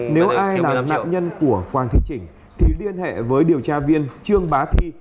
nếu ai là nạn nhân của quang thị chỉnh thì liên hệ với điều tra viên trương bá thi